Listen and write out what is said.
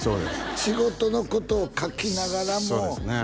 仕事のことを書きながらもそうですね